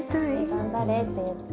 頑張れって言って。